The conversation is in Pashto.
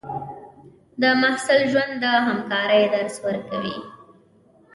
د محصل ژوند د همکارۍ درس ورکوي.